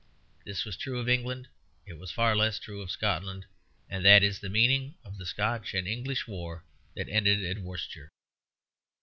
This was true of England; it was far less true of Scotland; and that is the meaning of the Scotch and English war that ended at Worcester.